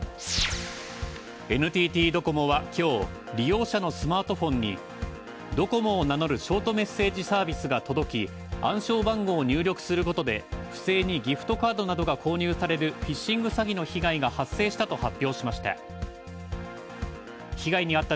ＮＴＴドコモは今日、利用者のスマートフォンにドコモを名乗るショートメッセージサービスが届き、暗証番号を入力することで不正にギフトカードなどが購入されるフィッシング詐欺の被害が発生したと発表しました。